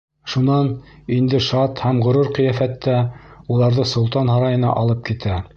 Шунан, инде шат һәм ғорур ҡиәфәттә, уларҙы солтан һарайына алып китә.